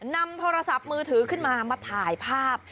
นำโทรศัพท์มือถือขึ้นมามาถ่ายภาพ